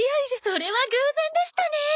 それは偶然でしたね！